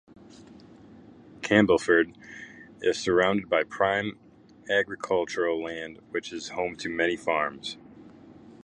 Campbellford is surrounded by prime agricultural land which is home to many farms.